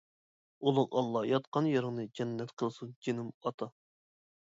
ئۇلۇغ ئاللا ياتقان يېرىڭنى جەننەت قىلسۇن جېنىم ئاتا!